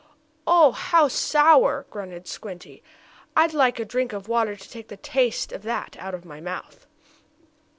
"Oh! How sour!" grunted Squinty. "I'd like a drink of water to take the taste of that out of my mouth."